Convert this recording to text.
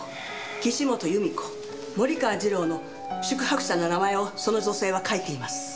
岸本由美子森川次郎の宿泊者の名前をその女性は書いています。